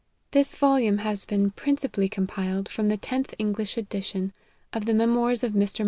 THIS volume has been principally compiled from the tenth English edition of the Memoirs of MR.